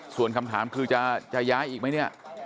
ส่วนคำถามคือจะย้ายอีกไหมเนี่ย